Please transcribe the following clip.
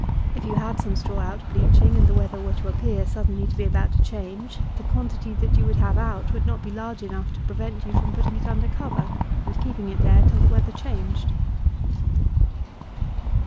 If you had some straw out bleaching, and the weather were to appear suddenly to be about to change, the quantity that you would have out would not be large enough to prevent you from putting it under cover, and keeping it there till the weather changed.